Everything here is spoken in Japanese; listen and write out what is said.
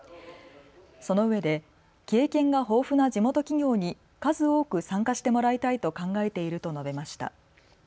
そのうえで経験が豊富な地元企業に数多く参加してもらいたいと考えていると述べました。